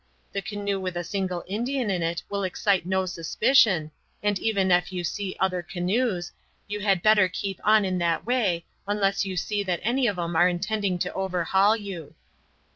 The canoe with a single Indian in it will excite no suspicion, and even ef you see other canoes, you had better keep on in that way unless you see that any of 'em are intending to overhaul you."